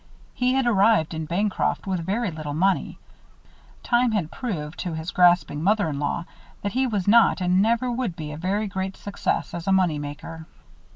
He had arrived in Bancroft with very little money. Time had proved to his grasping mother in law that he was not and never would be a very great success as a money maker.